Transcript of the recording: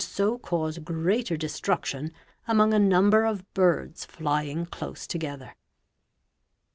so cause: greater destruction among a number of birds flying close together.